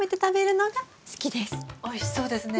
おいしそうですね。